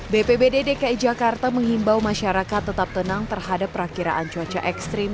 bpbd dki jakarta menghimbau masyarakat tetap tenang terhadap perakiraan cuaca ekstrim